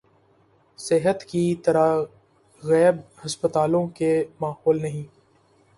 صحت کی تراغیب ہسپتالوں کے ماحول نہیں